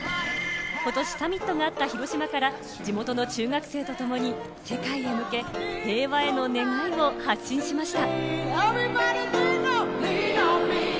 今年サミットがあった広島から地元の中学生とともに、世界へ向け、平和への願いを発信しました。